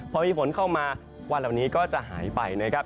พอมีฝนเข้ามาวันเหล่านี้ก็จะหายไปนะครับ